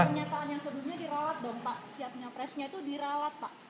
pernyataan yang sebelumnya dirawat dong pak siap nyapresnya itu dirawat pak